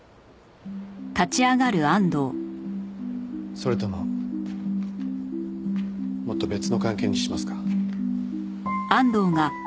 それとももっと別の関係にしますか？